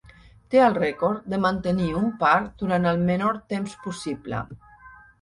Té el rècord de mantenir un par durant el menor temps possible